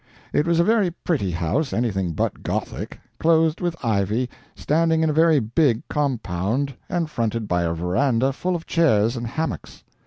It was a very pretty house, anything but Gothic, clothed with ivy, standing in a very big compound, and fronted by a verandah full of chairs and hammocks.